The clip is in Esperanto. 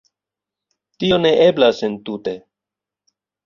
Tio ne eblas entute.